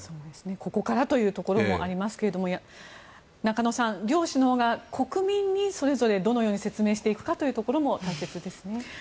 ここからというところもありますが中野さん、両首脳が国民にそれぞれどのように説明していくかも大事ですね。